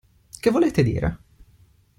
Che volete dire?